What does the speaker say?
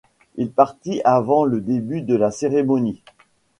Il partit avant le début de la cérémonie.